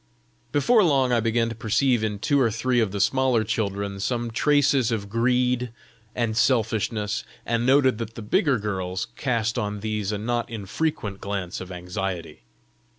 Before long I began to perceive in two or three of the smaller children some traces of greed and selfishness, and noted that the bigger girls cast on these a not infrequent glance of anxiety.